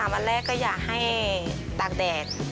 วันแรกก็อยากให้ตากแดด